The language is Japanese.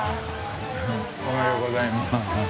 おはようございます。